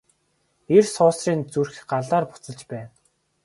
Эр суусрын зүрх Галаар буцалж байна.